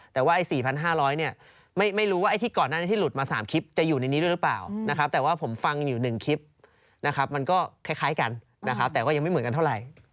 แต่ว่าไอ้๔๕๐๐เนี่ยไม่รู้ว่าไอ้ที่ก่อนหน้านี้ที่หลุดมา๓คลิปจะอยู่ในนี้ด้วยหรือเปล่านะครับแต่ว่าผมฟังอยู่๑คลิปนะครับมันก็คล้ายกันนะครับแต่ก็ยังไม่เหมือนกันเท่าไหร่